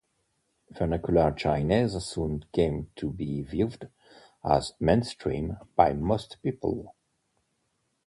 Vernacular Chinese soon came to be viewed as mainstream by most people.